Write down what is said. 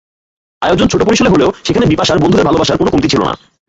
আয়োজন ছোট পরিসরে হলেও সেখানে বিপাশার বন্ধুদের ভালোবাসার কোনো কমতি ছিল না।